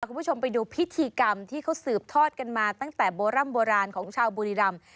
คุณผู้ชมไปดูพิธีกรรมที่เขาสืบทอดกันมาตั้งแต่โบร่ำโบราณของชาวบุรีรำ